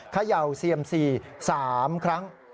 ขย่าวเซียมสี่สามครั้ง